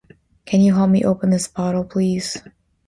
Can you help me open this bottle, please?